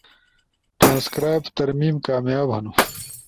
ٹرانسکرائب ترمیم کامیاب ہن